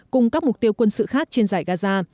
cùng các mục tiêu quân sự khác trên giải gaza